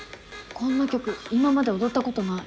こんな曲今まで踊ったことない。